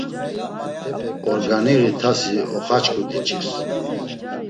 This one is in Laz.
Organiği tasi oxaçku diç̌irs.